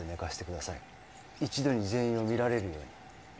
一度に全員を見られるように。